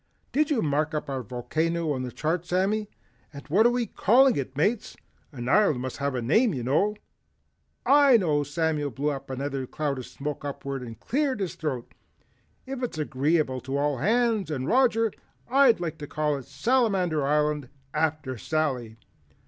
"Did you mark up our volcano on the chart Sammy, and what are we calling it Mates? An island must have a name you know." "I know." Samuel blew another cloud of smoke upward and cleared his throat. "If it's agreeable to all hands and Roger, I'd like to call it Salamander Island after Sally."